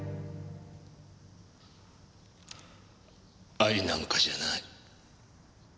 愛なんかじゃない。